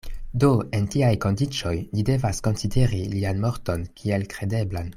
Do en tiaj kondiĉoj ni devas konsideri lian morton kiel kredeblan.